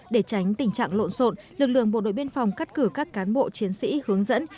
để tránh tình trạng lộn xộn lực lượng bộ đội biên phòng cắt cử các cán bộ chiến sĩ hướng dẫn